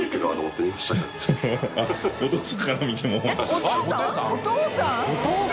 お父さん